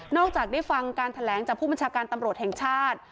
จากได้ฟังการแถลงจากผู้บัญชาการตำรวจแห่งชาติ